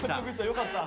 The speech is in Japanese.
よかった。